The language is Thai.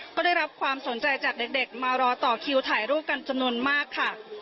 ก็ได้รับความสนใจจากเด็กมารอต่อคิวถ่ายรูปกันจำนวนมากค่ะ